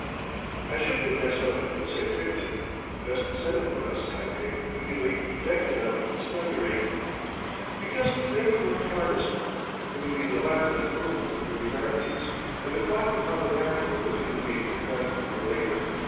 I should put myself into the same picture. Best setting for us, I think, would be the Beckenham snuggery, because there we worked hardest. It would be the lamplit room of the early nineties, and the clock upon the mantel would indicate midnight or later.